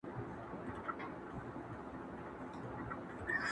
چي استاد یې وو منتر ورته ښودلی٫